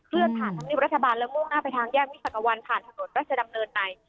เครื่องผ่านทางนิปราชบาลแล้วมุ่งหน้าไปทางแยกมิสักวันผ่านถนนรัชดำเนินใน